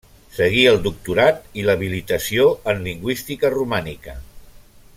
Seguí el doctorat i l'habilitació en lingüística romànica.